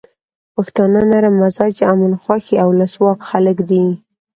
پښتانه نرم مزاجه، امن خوښي او ولسواک خلک دي.